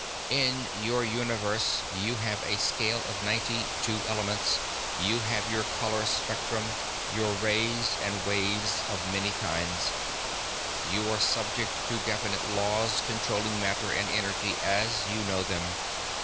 "In your universe, you have a scale of ninety two elements, you have your color spectrum, your rays and waves of many kinds. You are subject to definite laws controlling matter and energy as you know them.